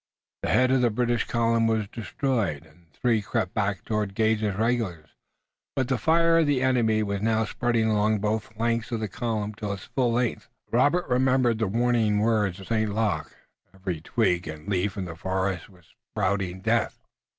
The head of the British column was destroyed, and the three crept back toward Gage's regulars, but the fire of the enemy was now spreading along both flanks of the column to its full length. Robert remembered the warning words of St. Luc. Every twig and leaf in the forest was spouting death.